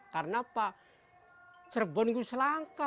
karena cerebon selangka